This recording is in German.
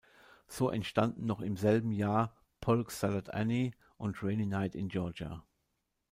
So entstanden noch im selben Jahr "Polk Salad Annie" und "Rainy Night in Georgia".